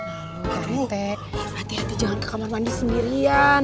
lalu pak rete hati hati jangan ke kamar mandi sendirian